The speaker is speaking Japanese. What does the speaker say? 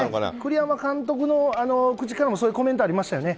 栗山監督の口からもそういうコメントありましたよね。